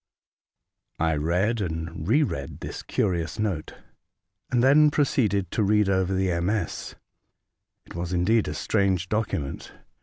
I read and re read this curious note, and then proceeded to read over the MS. It was, indeed, a strange document.